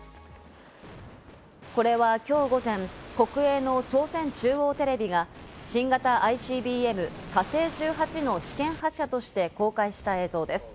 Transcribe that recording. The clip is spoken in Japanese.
これはきょう午前、国営の朝鮮中央テレビが新型ＩＣＢＭ「火星１８」の試験発射として公開した映像です。